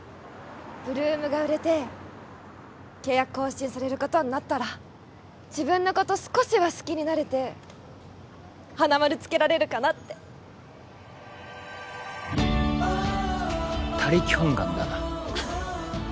８ＬＯＯＭが売れて契約更新されることになったら自分のこと少しは好きになれて花丸つけられるかなって他力本願だな